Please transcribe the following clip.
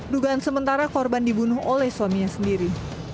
dugaan sementara korban dibunuh oleh suaminya sendiri